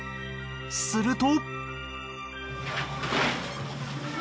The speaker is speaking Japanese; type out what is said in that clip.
すると。